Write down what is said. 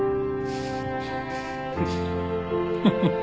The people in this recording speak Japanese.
フフフ。